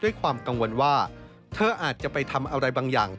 ความกังวลว่าเธออาจจะไปทำอะไรบางอย่าง